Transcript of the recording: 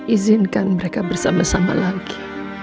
izinkan mereka bersama sama lagi